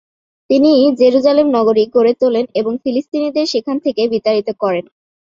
তিনি জেরুজালেম নগরী গড়ে তোলেন এবং ফিলিস্তিনিদের সেখান থেকে বিতাড়িত করেন।